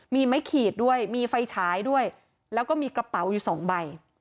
มีไม้ขีดด้วยมีไฟฉายด้วยแล้วก็มีกระเป๋าอยู่สองใบ